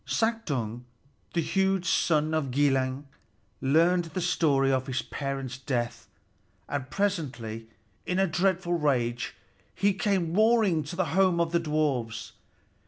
Suttung, the huge son of Gilling, learned the story of his parents' death, and presently, in a dreadful rage, he came roaring to the home of the dwarfs.